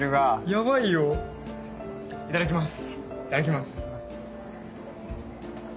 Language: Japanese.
いただきます。